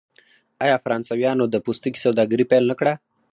آیا فرانسویانو د پوستکي سوداګري پیل نه کړه؟